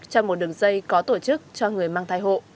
cho một đường dây có tổ chức cho người mang thai hộ